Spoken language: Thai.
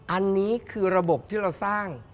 อันนี้คือระบบที่เราสร้าง